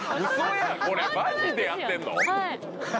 マジでやってんの？